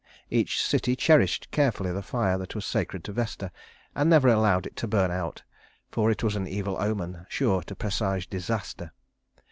Each city cherished carefully the fire that was sacred to Vesta, and never allowed it to burn out, for that was an evil omen sure to presage disaster.